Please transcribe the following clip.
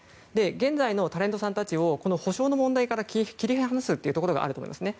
現在のタレントさんたちを補償の問題から切り離すというところがあると思いますね。